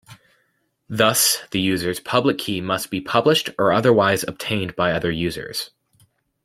Thus, the user's public key must be published or otherwise obtained by other users.